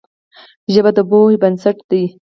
ژبه د پوهې بنسټ ده